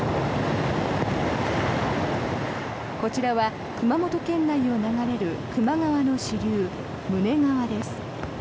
こちらは熊本県内を流れる球磨川の支流胸川です。